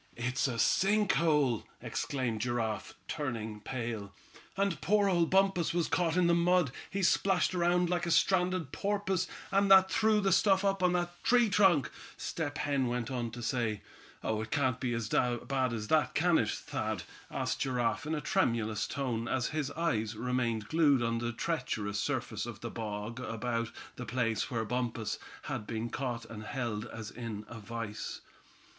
"It's a sink hole!" exclaimed Giraffe, turning pale. "And poor old Bumpus was caught in the mud. He splashed around like a stranded porpoise, and that threw the stuff up on that tree trunk," Step Hen went on to say. "Oh! it can't be as bad as that, can it, Thad?" asked Giraffe in a tremulous tone, as his eyes remained glued on the treacherous surface of the bog about the place where Bumpus had been caught and held as in a vise.